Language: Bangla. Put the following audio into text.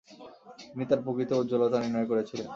তিনি তার প্রকৃত উজ্জ্বলতা নির্ণয় করেছিলেন।